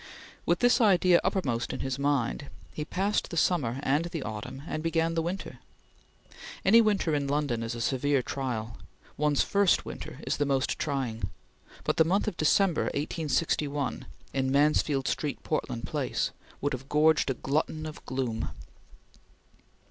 With this idea uppermost in his mind, he passed the summer and the autumn, and began the winter. Any winter in London is a severe trial; one's first winter is the most trying; but the month of December, 1861, in Mansfield Street, Portland Place, would have gorged a glutton of gloom.